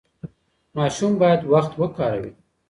ماشوم باید وخت وکاروي.